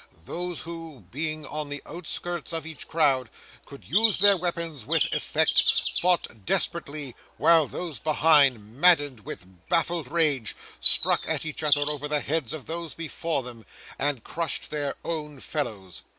Those who, being on the outskirts of each crowd, could use their weapons with effect, fought desperately, while those behind, maddened with baffled rage, struck at each other over the heads of those before them, and crushed their own fellows.